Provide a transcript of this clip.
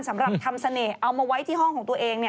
สำหรับทำเสน่ห์เอามาไว้ที่ห้องของตัวเอง